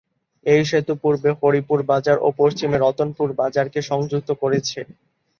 এই সেতু পূর্বে হরিপুর বাজার ও পশ্চিমে রতনপুর বাজারকে সংযুক্ত করেছে।